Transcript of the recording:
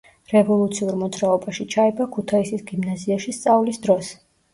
რევოლუციურ მოძრაობაში ჩაება ქუთაისის გიმნაზიაში სწავლის დროს.